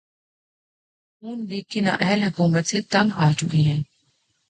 نون league کی نااہل حکومت سے تنگ آچکے ہیں